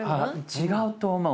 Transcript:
違うと思う。